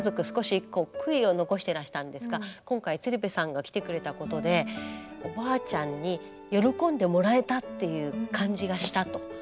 少しこう悔いを残してらしたんですが今回鶴瓶さんが来てくれたことでおばあちゃんに喜んでもらえたっていう感じがしたと。